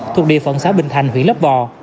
thuộc địa phận xã bình thành hủy lấp vò